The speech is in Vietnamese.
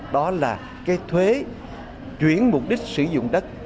đó là cái thuế chuyển mục đích sử dụng đất